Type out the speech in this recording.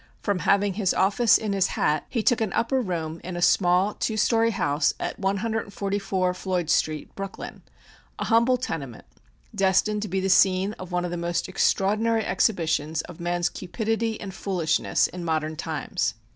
From having his office "in his hat," he took an upper room in a small two story house at 144 Floyd Street, Brooklyn an humble tenement, destined to be the scene of one of the most extraordinary exhibitions of man's cupidity and foolishness in modern times.